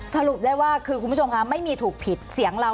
สรุปได้ว่าคือคุณผู้ชมคะไม่มีถูกผิดเสียงเรา